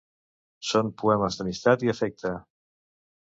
Són poemes d'amistat i afecte.